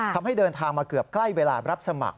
ทำให้เดินทางมาเกือบใกล้เวลารับสมัคร